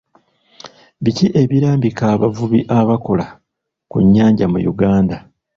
Biki ebirambika abavubi abakoera ku nnyanja mu Uganda?